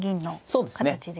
そうですね。